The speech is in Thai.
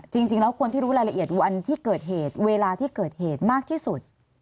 จริงแล้วคนที่รู้รายละเอียดวันที่เกิดเหตุเวลาที่เกิดเหตุมากที่สุด